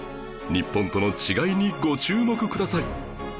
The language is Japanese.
日本との違いにご注目ください